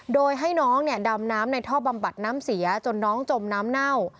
โดยให้น้องเนี่ยดำน้ำในท่อบำบัดน้ำเสียจนน้องจมน้ำเน่า